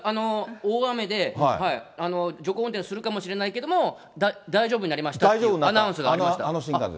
大雨で、徐行運転するかもしれないけれども、大丈夫になりましたっていうあの新幹線。